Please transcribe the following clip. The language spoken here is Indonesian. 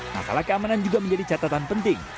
masalah keamanan juga menjadi catatan penting